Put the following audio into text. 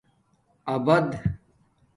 ابد